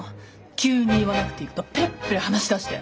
急に言わなくていいことペラペラ話しだして。